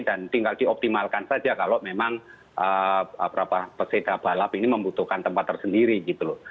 dan tinggal dioptimalkan saja kalau memang peserta balap ini membutuhkan tempat tersendiri gitu loh